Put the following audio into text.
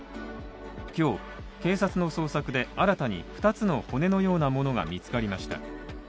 今日、警察の捜索で新たに二つの骨のようなものが見つかりました。